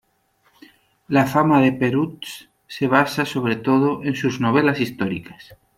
La fama de Perutz se basa sobre todo en sus novelas históricas.